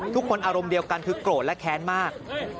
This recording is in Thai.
ทุกคนอารมณ์เดียวกันคือโกรธและแค้นมาก